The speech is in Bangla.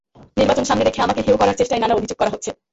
নির্বাচন সামনে রেখে আমাকে হেয় করার চেষ্টায় নানা অভিযোগ করা হচ্ছে।